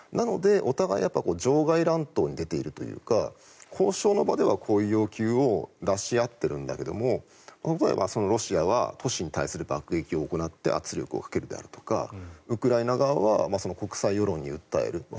お互いに場外乱闘に出ているというか交渉の場ではこういう要求を出し合っているんだけども例えば、ロシアは都市に対する爆撃を行って圧力をかけるであるとかウクライナ側は国際世論に訴える。